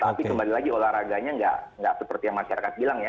tapi kembali lagi olahraganya nggak seperti yang masyarakat bilang ya